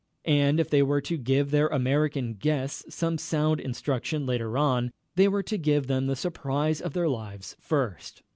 And if they were to give their American guests some sound instruction later on, they were to give them the surprise of their lives first.